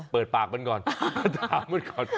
เปิดปากมันก่อนก็ถามมันก่อน